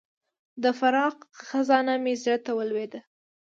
د فراق خزانه مې زړه ته ولوېده.